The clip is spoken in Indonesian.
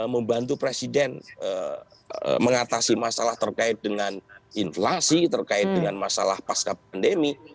membantu presiden mengatasi masalah terkait dengan inflasi terkait dengan masalah pasca pandemi